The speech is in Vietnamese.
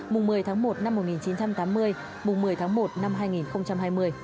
mùng một mươi tháng một năm một nghìn chín trăm tám mươi mùng một mươi tháng một năm hai nghìn hai mươi